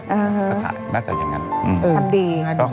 เออถ่ายน่าจะอย่างนั้นเออทำดี